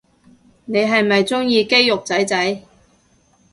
你係咪鍾意肌肉仔仔